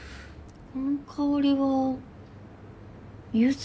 この香りはユズ？